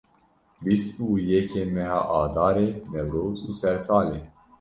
Bîst û yekê meha Adarê Newroz û Sersal e.